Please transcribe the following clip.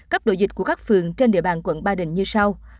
cấp độ dịch của các phường trên địa bàn quận ba đình như sau